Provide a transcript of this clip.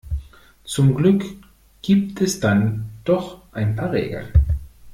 Zum Glück gibt es dann doch ein paar Regeln.